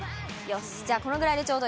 よし、じゃあこのぐらいでちょう